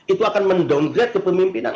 itu akan mendongger kepemimpinan